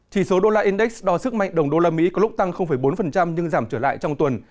chỉ số usd index đo sức mạnh đồng usd có lúc tăng bốn nhưng giảm trở lại trong tuần